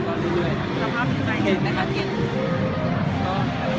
เป็นแค่ไหนนะครับเค็ท